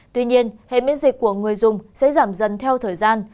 tuy nhiên hệ miễn dịch của người dùng sẽ giảm dần theo thời gian